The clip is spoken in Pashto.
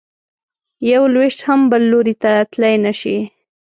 یو لویشت هم بل لوري ته تلی نه شې.